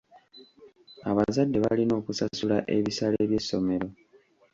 Abazadde balina okusasula ebisale by'essomero.